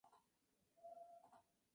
Nombra al pájaro mecánico "primer cantante".